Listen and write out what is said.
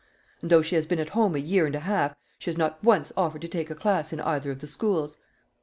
And, though she has been at home a year and a half, she has not once offered to take a class in either of the schools."